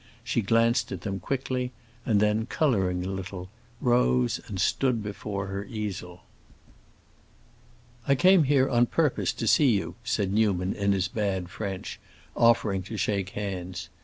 She glanced at them quickly, and then, coloring a little, rose and stood before her easel. "I came here on purpose to see you," said Newman in his bad French, offering to shake hands.